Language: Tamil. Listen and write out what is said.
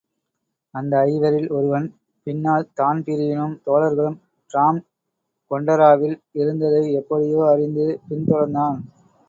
அந்த ஐவரில் ஒருவன், பின்னால் தான்பிரீனும் தோழர்களும் டிராம் கொண்டராவில் இருந்ததை எப்படியோ அறிந்து பின் தொடர்ந்தான்.